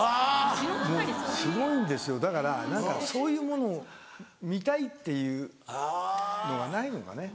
もうすごいんですよだから何かそういうものを見たいっていうのがないのかね。